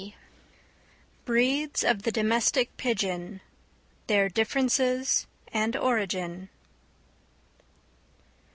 _Breeds of the Domestic Pigeon, their Differences and Origin.